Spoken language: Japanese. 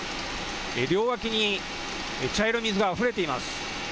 両脇に茶色い水があふれています。